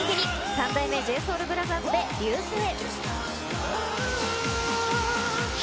三代目ＪＳＯＵＬＢＲＯＴＨＥＲＳで、Ｒ．Ｙ．Ｕ．Ｓ．Ｅ．Ｉ。